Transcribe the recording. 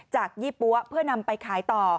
ยี่ปั๊วเพื่อนำไปขายต่อ